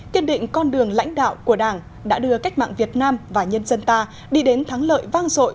kiên định con đường lãnh đạo của đảng đã đưa cách mạng việt nam và nhân dân ta đi đến thắng lợi vang dội